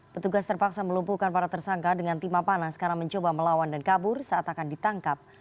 petugas terpaksa melumpuhkan para tersangka dengan timah panas karena mencoba melawan dan kabur saat akan ditangkap